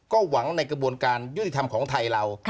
ก็หวังในกระบวนการยุติธรรมของไทยเรา